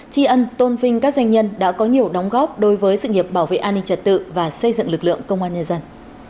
chi ân tôn vinh các doanh nhân đã có nhiều đóng góp đối với sự nghiệp bảo vệ an ninh trật tự và xây dựng lực lượng công an nhân dân